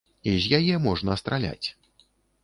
І з яе можна страляць.